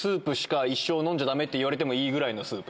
もう、このスープしか、一生飲んじゃだめって言われてもいいぐらいのスープ。